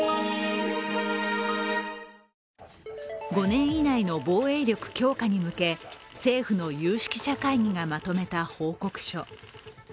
５年以内の防衛力強化に向け、政府の有識者会議がまとめた報告書。